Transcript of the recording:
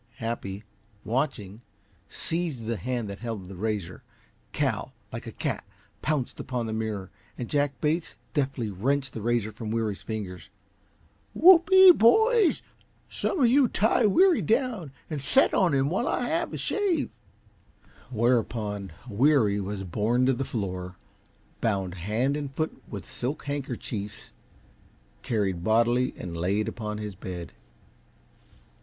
Happy, watching, seized the hand that held the razor; Cal, like a cat, pounced upon the mirror, and Jack Bates deftly wrenched the razor from Weary's fingers. "Whoopee, boys! Some of you tie Weary down and set on him while I shave," cried Cal, jubilant over the mutiny. "We'll make short work of this toilet business." Whereupon Weary was borne to the floor, bound hand and foot with silk handkerchiefs, carried bodily and laid upon his bed.